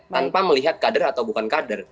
tanpa melihat kader atau bukan kader